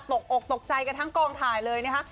ตกอกตกใจกันทั้งกลางถ่ายเลยเนี่ยค่ะ